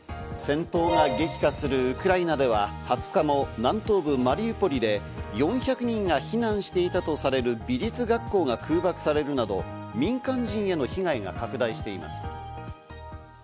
戦闘が激化するウクライナでは２０日も南東部マリウポリで４００人が避難していたとされる美術学校が空爆されるなど民間人への被害が拡大しています。